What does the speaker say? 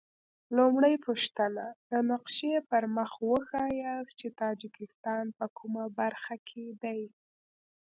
لومړۍ پوښتنه: د نقشې پر مخ وښایاست چې تاجکستان په کومه برخه کې دی؟